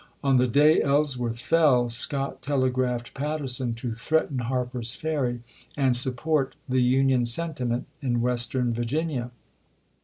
On the day Ellsworth fell, ?o^?.attei * Scott telegi aphed Patterson to " threaten Harper's X'l^^^ Ferry and support the Union sentiment in West if.fp. 652. ' ern Vu'ginia."